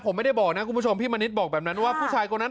แล้วเป็นใครอ่ะ